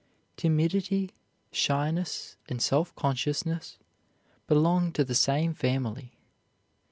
Timidity, shyness, and self consciousness belong to the same family.